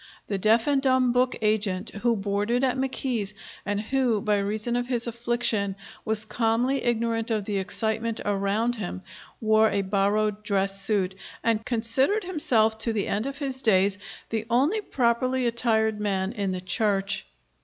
The deaf and dumb book agent who boarded at McKees', and who, by reason of his affliction, was calmly ignorant of the excitement around him, wore a borrowed dress suit, and considered himself to the end of his days the only properly attired man in the church.